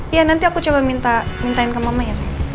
iya nanti aku coba minta mintain ke mama ya sayang